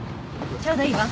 ちょうどいいわ。